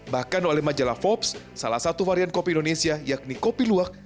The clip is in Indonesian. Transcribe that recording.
bahkan oleh majalah forbes salah satu varian kopi indonesia yakni kopi luwak